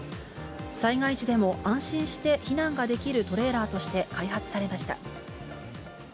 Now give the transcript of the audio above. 災害時でも安心して避難ができるトレーラーとして開発されました。